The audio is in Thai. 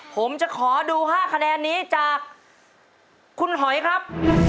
ผมจะขอดู๕คะแนนนี้จากคุณหอยครับ